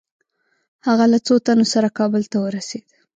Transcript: هغه له څو تنو سره کابل ته ورسېد.